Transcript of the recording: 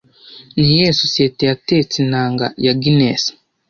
Nihe sosiyete yatetse inanga ya Guinness